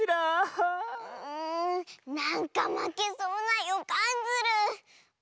んなんかまけそうなよかんズル。